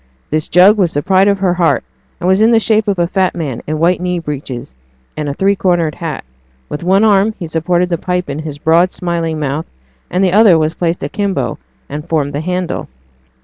This jug was the pride of her heart, and was in the shape of a fat man in white knee breeches, and a three cornered hat; with one arm he supported the pipe in his broad, smiling mouth, and the other was placed akimbo and formed the handle.